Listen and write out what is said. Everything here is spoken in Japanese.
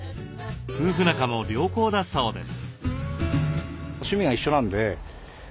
夫婦仲も良好だそうです。